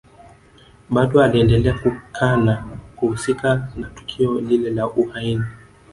Bado aliendelea kukana kuhusika na tukio lile la uhaini